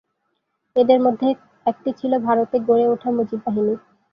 এদের মধ্যে একটি ছিলো ভারতে গড়ে ওঠা মুজিব বাহিনী।